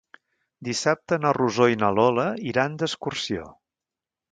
Dissabte na Rosó i na Lola iran d'excursió.